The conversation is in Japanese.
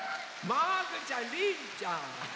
もぐちゃんりんちゃん！